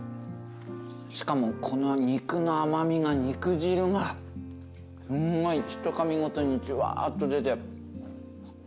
しかもこの肉の甘味が肉汁がすんごいひとかみごとにジュワーっと出て。